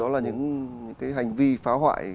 đó là những cái hành vi phá hoại